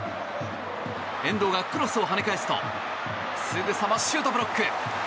遠藤がクロスを跳ね返すとすぐさまシュートブロック！